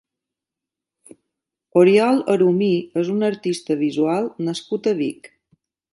Oriol Arumí és un artista visual nascut a Vic.